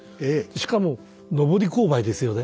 しかも上り勾配ですよね。